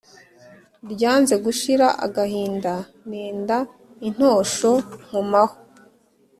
Ryanze gushira agahinda nenda intosho nkomaho.